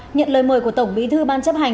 nhận lời mời của tổng bí thư ban chấp hành